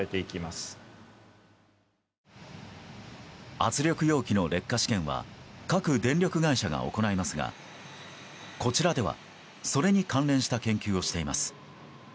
圧力容器の劣化試験は各電力会社が行いますがこちらでは、それに関連した研究をしています。